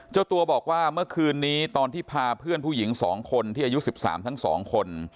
เจ้าตัวบอกว่าเมื่อคืนนี้ตอนที่พาเพื่อนผู้หญิง๒คนที่อายุ๑๓ทั้ง๒คน